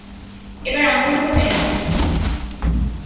এবার আঙ্গুলগুলো মেলে ধরো!